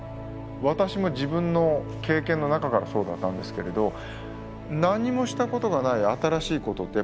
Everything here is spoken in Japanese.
私も自分の経験の中からそうだったんですけれど何もしたことがない新しいことってやっぱり恐怖がありますよね。